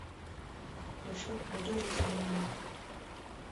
Došlo k nedorozumění.